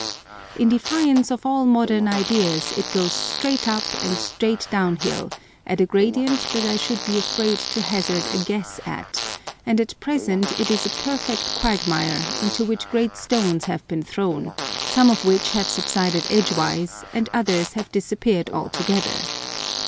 In defiance of all modern ideas, it goes straight up and straight down hill, at a gradient that I should be afraid to hazard a guess at, and at present it is a perfect quagmire, into which great stones have been thrown, some of which have subsided edgewise, and others have disappeared altogether.